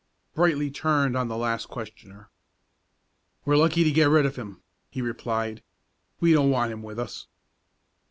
Brightly turned on the last questioner. "We're lucky to get rid of him," he replied. "We don't want him with us."